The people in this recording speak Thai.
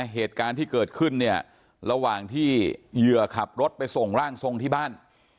เหตุการณ์ที่เกิดขึ้นเนี่ยระหว่างที่เหยื่อขับรถไปส่งร่างทรงที่บ้าน